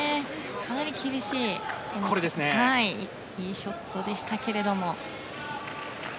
かなり厳しいいいショットでしたけれども。